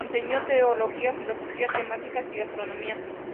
Enseñó teología, filosofía, matemáticas y astronomía.